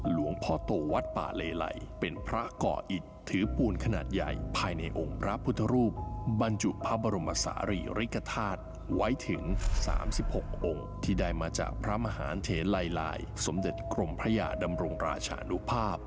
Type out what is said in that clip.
หลวงพ่อโตวัดป่าเลไหลเป็นพระก่ออิตถือปูนขนาดใหญ่ภายในองค์พระพุทธรูปบรรจุพระบรมศาลีริกฐาตุไว้ถึง๓๖องค์ที่ได้มาจากพระมหาเทลัยลายสมเด็จกรมพระยาดำรงราชานุภาพ